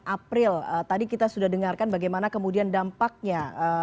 dua puluh delapan april tadi kita sudah dengarkan bagaimana kemudian dampaknya